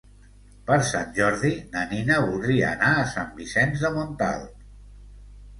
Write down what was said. Per Sant Jordi na Nina voldria anar a Sant Vicenç de Montalt.